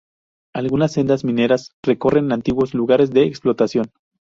Algunas sendas mineras recorren antiguos lugares de explotación.